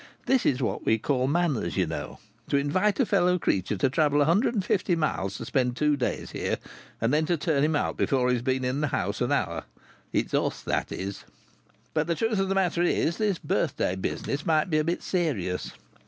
This is what we call manners, you know to invite a fellow creature to travel a hundred and fifty miles to spend two days here, and then to turn him out before he's been in the house an hour. It's us, that is! But the truth of the matter is, the birthday business might be a bit serious.